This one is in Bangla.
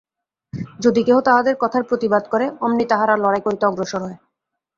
যদি কেহ তাহাদের কথার প্রতিবাদ করে, অমনি তাহারা লড়াই করিতে অগ্রসর হয়।